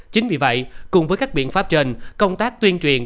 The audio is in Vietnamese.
chính vì vậy cùng với các biện pháp trên công tác tuyên truyền